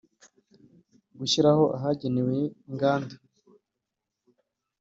gushyiraho ahagenewe inganda